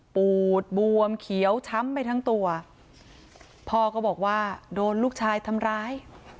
ปูดบวมเขียวช้ำไปทั้งตัวพ่อก็บอกว่าโดนลูกชายทำร้าย